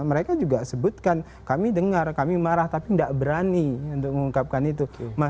mereka juga sebutkan kami dengar kami marah tapi tidak berani untuk mengungkapkan itu